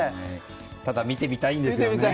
ただ、見てみたいですよね。